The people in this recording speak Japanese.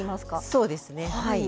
そうですねはい。